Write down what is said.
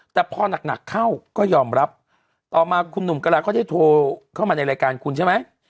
แต่พอหนักเข้าก็ยอมรับต่อมาคุณหนุ่มกระลาก็ได้โทรเข้ามาในรายการคุณใช่ไหม